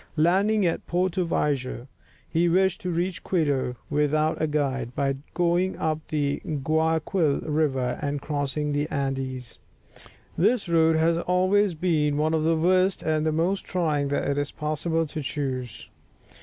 Landing at Porto Viejo, he wished to reach Quito without a guide, by going up the Guayaquil River and crossing the Andes. This road has always been one of the worst and most trying that it is possible to choose.